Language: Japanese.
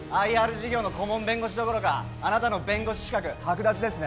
事業の顧問弁護士どころかあなたの弁護士資格剥奪ですね